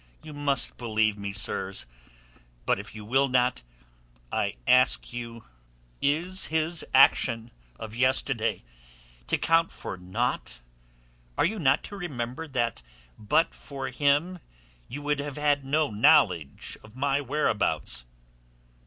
You must believe me, sirs. But if you will not, I ask you is his action of yesterday to count for naught? Are you not to remember that but for him you would have had no knowledge of my whereabouts?"